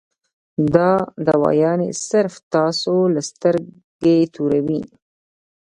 دا دوايانې صرف تاسو له سترګې توروي -